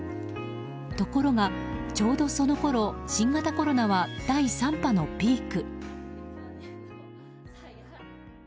ところが、ちょうどそのころ新型コロナは第３波のピーク。